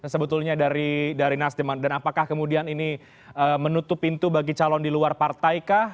sebetulnya dari nasdem dan apakah kemudian ini menutup pintu bagi calon di luar partai kah